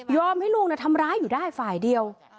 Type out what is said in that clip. ให้ลูกทำร้ายอยู่ได้ฝ่ายเดียว